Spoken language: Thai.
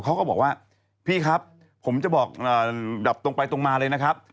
เขาก็บอกว่าพี่ครับผมจะบอกแบบตรงไปตรงมาเลยนะครับ